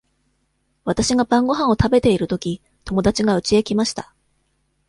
わたしが晩ごはんを食べているとき、友だちがうちへ来ました。